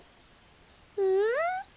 うん？